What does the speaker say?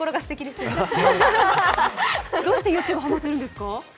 どうしてＹｏｕＴｕｂｅにハマってるんですか？